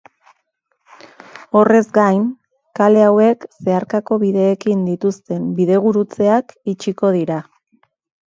Horrez gain, kale hauek zeharkako bideekin dituzten bidegurutzeak itxiko dira.